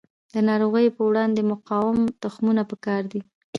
د ناروغیو په وړاندې مقاوم تخمونه پکار دي.